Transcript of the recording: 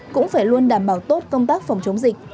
cũng phải luôn đảm bảo tốt công tác phòng chống dịch